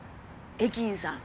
駅員さん。